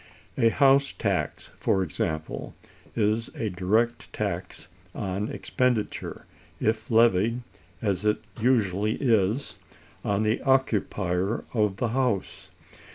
A house tax, for example, is a direct tax on expenditure, if levied, as it usually is, on the occupier of the house.